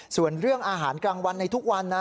ส่วนเรื่องอาหารกลางวันในทุกวันนะ